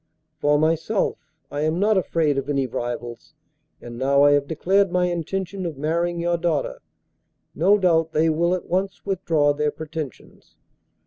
For myself I am not afraid of any rivals, and, now I have declared my intention of marrying your daughter, no doubt they will at once withdraw their pretensions.